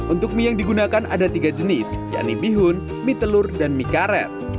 untuk mie yang digunakan ada tiga jenis yakni bihun mie telur dan mie karet